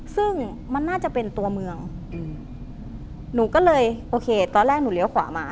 ซึ่งมันน่าจะเป็นตัวเมืองอืมหนูก็เลยโอเคตอนแรกหนูเลี้ยวขวามา